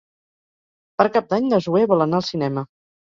Per Cap d'Any na Zoè vol anar al cinema.